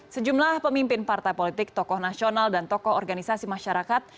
sejumlah pemimpin partai politik tokoh nasional dan tokoh organisasi masyarakat